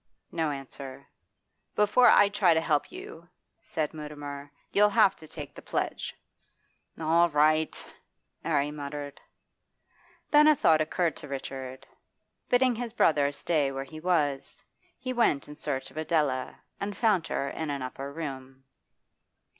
No answer 'Before I try to help you,' said Mutimer, 'you'll have to take the pledge.' 'All right!' 'Arry muttered. Then a thought occurred to Richard. Bidding his brother stay where he was, he went in search of Adela and found her in an upper room.